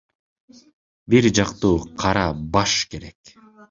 Бир жактуу карабаш керек.